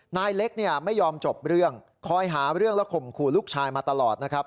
นายเล็กเนี่ยไม่ยอมจบเรื่องคอยหาเรื่องและข่มขู่ลูกชายมาตลอดนะครับ